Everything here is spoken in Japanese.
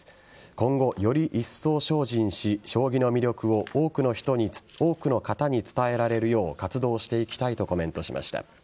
今後、よりいっそう精進し将棋の魅力を多くの方に伝えられるよう活動していきたいとコメントしました。